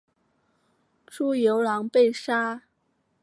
朱由榔被杀。